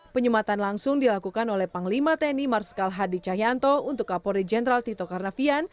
penyematan langsung dilakukan oleh panglima tni marsikal hadi cahyanto untuk kapolri jenderal tito karnavian